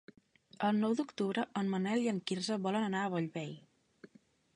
El nou d'octubre en Manel i en Quirze volen anar a Bellvei.